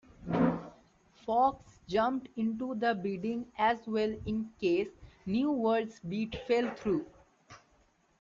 Fox jumped into the bidding as well in case New World's bid fell through.